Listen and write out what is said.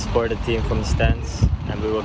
sekarang kita harus bergerak